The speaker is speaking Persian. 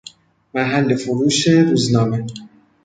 محل فروش روزنامه